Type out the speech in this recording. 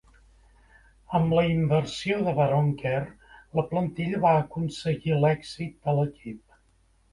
Amb la inversió de Waronker, la plantilla va aconseguir l'èxit de l'equip.